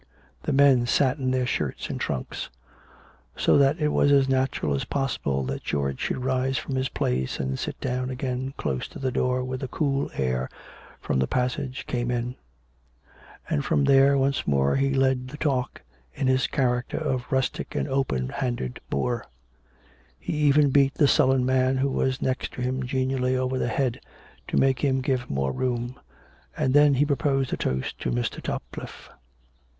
The men sat in their shirts and trunks. So that it was as natural as possible that George should rise from his place and sit down again close to the door where the cool air from the passage came in; and from there, once more, he led the talk, in his char acter of rustic and open handed boor; he even beat the sullen man who was next him genially over the head to make him give more room, and then he proposed a toast to Mr. Topcliffe.